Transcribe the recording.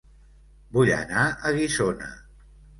Vull anar a Guissona